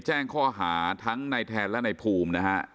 แจ้งข้อหาทั้งในแทนและในภูมินะฮะ